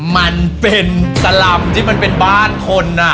มันเป็นสลำที่มันเป็นบ้านคน